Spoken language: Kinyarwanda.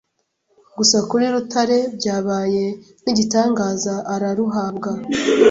gusa kuri Rutare byabaye nk’igitangaza araruhabwa